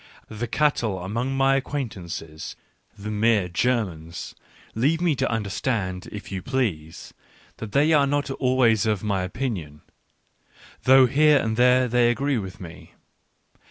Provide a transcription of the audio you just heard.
^ The cattle among my acquaintances, the mere Germans, leave me to understand, if you please, that they are not always of my opinion, though here and there they agree with me.